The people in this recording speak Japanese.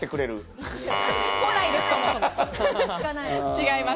違います。